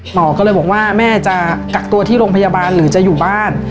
หมอก็เลยบอกว่าแม่จะกักตัวที่โรงพยาบาลหรือจะอยู่บ้าน